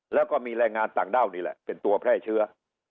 แล้วก็มีแรงงานต่างด้าวนี่แหละเป็นตัวแพร่เชื้อ